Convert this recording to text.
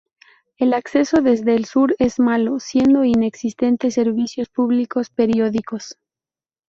El acceso desde el sur es malo, siendo inexistentes servicios públicos periódicos.